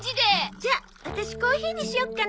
じゃあワタシコーヒーにしようかな。